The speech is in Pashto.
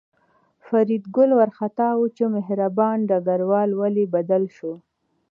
فریدګل وارخطا و چې مهربان ډګروال ولې بدل شو